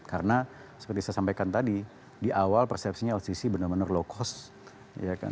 karena seperti saya sampaikan tadi di awal persepsinya lcc benar benar low cost